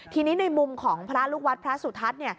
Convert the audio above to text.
ทีนี้ในมุมของพระลูกวัดพระสุทัศน์